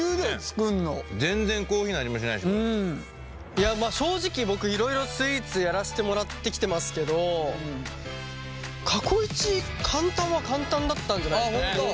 いやまあ正直僕いろいろスイーツやらせてもらってきてますけど過去一簡単は簡単だったんじゃないですかね。あっ本当？